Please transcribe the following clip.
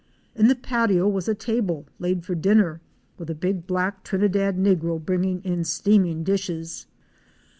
In the patio was a table laid for dinner — with a big black Trinidad negro bringing in steaming dishes.